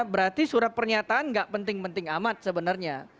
berarti surat pernyataan nggak penting penting amat sebenarnya